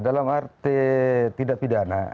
dalam arti tidak pidana